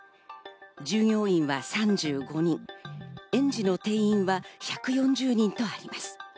従業員は３５人、園児の定員は１４０人とあります。